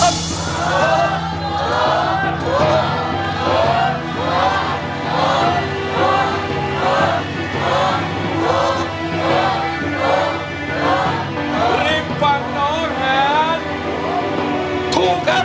เพลงนี้อยู่ในอาราบัมชุดแรกของคุณแจ็คเลยนะครับ